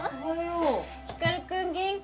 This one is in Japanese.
光くん元気？